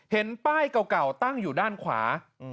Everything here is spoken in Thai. เห็นป้ายเก่าตั้งอยู่ด้านขวา